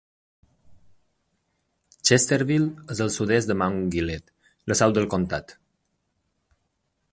Chesterville és al sud-est de Mount Gilead, la seu del comtat.